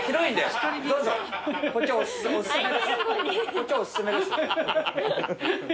こっちお薦めです。